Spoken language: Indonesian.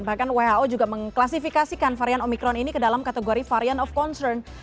bahkan who juga mengklasifikasikan varian omikron ini ke dalam kategori varian of concern